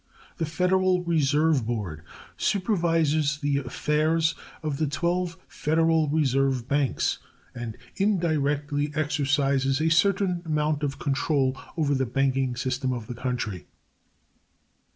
The Federal Reserve Board supervises the affairs of the twelve Federal Reserve Banks, and indirectly exercises a certain amount of control over the banking system of the country.